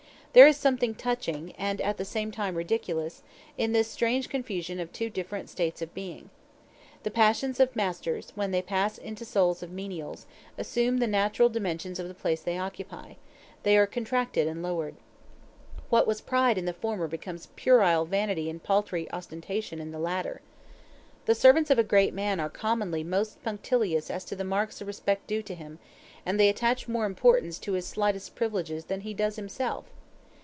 There is something touching, and at the same time ridiculous, in this strange confusion of two different states of being. These passions of masters, when they pass into the souls of menials, assume the natural dimensions of the place they occupy they are contracted and lowered. What was pride in the former becomes puerile vanity and paltry ostentation in the latter. The servants of a great man are commonly most punctilious as to the marks of respect due to him, and they attach more importance to his slightest privileges than he does himself.